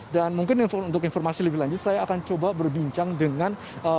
dan mungkin untuk informasi lebih lanjut saya akan coba berbincang dengan